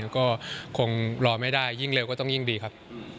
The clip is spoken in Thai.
ก็คงรอไม่ได้ยิ่งเร็วก็ต้องยิ่งดีครับ